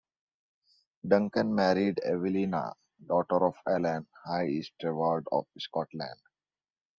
Duncan married Avelina, daughter of Alan, High Steward of Scotland.